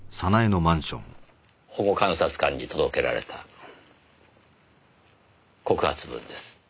保護観察官に届けられた告発文です。